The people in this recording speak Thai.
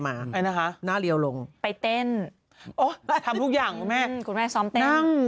ที่เนี้ยมันจัดการให้หมดเลยอ่าน่าน่าจะมาหรอคุณแม่ฉัน